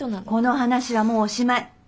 この話はもうおしまい。